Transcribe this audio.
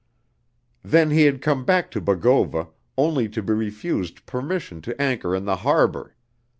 Then he had come back to Bogova only to be refused permission to anchor in the harbor.